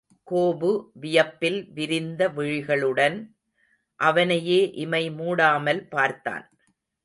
கோபு வியப்பில் விரிந்த விழிகளுடன் அவனையே இமை மூடாமல் பார்த்தான்.